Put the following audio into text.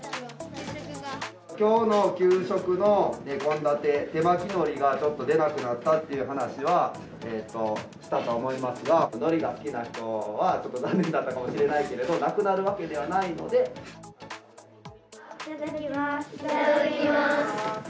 きょうの給食の献立、手巻きのりがちょっと出なくなったっていう話はしたと思いますが、のりが好きな人は、残念だったかもしれないけど、なくなるわけでいただきます。